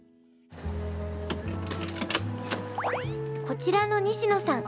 こちらの西野さん